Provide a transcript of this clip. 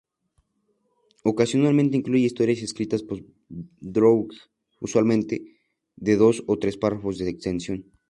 Ocasionalmente incluye historias escritas por Drudge, usualmente de dos o tres párrafos de extensión.